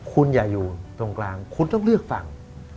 คุณอย่าอยู่ตรงกลางคุณต้องเลือกฝั่ง